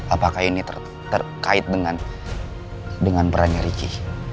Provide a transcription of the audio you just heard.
apakah ini terkait dengan dengan peran riki